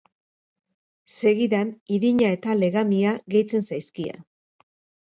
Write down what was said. Segidan irina eta legamia gehitzen zaizkie.